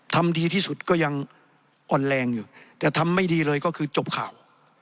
ทำดีที่สุดก็ยังอ่อนแรงอยู่แต่ทำไม่ดีเลยก็คือจบข่าว